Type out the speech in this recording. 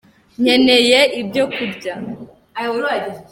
Nkeneye ibyo kurya.